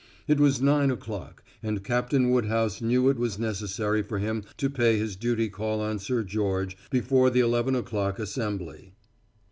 It was nine o'clock, and Captain Woodhouse knew it was necessary for him to pay his duty call on Sir George before the eleven o'clock assembly.